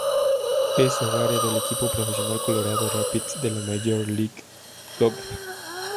Es hogar del equipo profesional Colorado Rapids de la Major League Soccer.